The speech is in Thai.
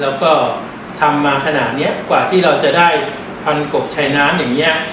แล้วก็ทำมาขนาดนี้กว่าที่เราจะได้พันกบชายน้ำอย่างนี้